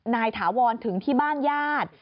ถาวรถึงที่บ้านญาติ